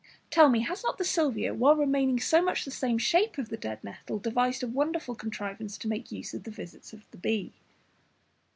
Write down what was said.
Tell me, has not the Salvia, while remaining so much the same shape as the dead nettle, devised a wonderful contrivance to make use of the visits of the bee?